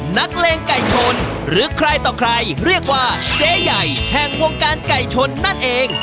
นักเลงไก่ชนหรือใครต่อใครเรียกว่าเจ๊ใหญ่แห่งวงการไก่ชนนั่นเอง